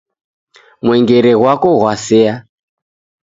Mwengere ghwako ghwaseya